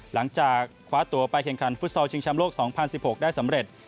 หลังจากคว้าตัวไปแข่งขันฟุตซอลชิงชำโลก๒๐๑๖ได้สำเร็จ